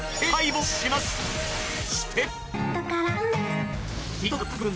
そして。